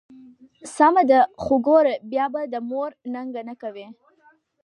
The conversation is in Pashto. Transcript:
سمه ده، خو ګوره بیا به د مور ننګه نه کوې.